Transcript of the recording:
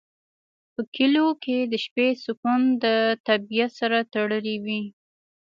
په کلیو کې د شپې سکون د طبیعت سره تړلی وي.